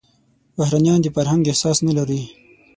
بهرنيان د فرهنګ احساس نه لري.